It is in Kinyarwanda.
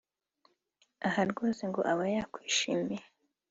aha rwose ngo aba yakwishimiye